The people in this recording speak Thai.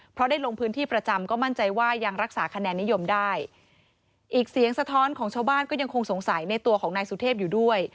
เพราะได้ลงพื้นที่ประจำก็มั่นใจว่ายังรักษาคะแนนนิยมได้อีกเสียงสะท้อนของชาวบ้านก็ยังคงสงสัยในตัวของนายสุเทพอยู่ด้วย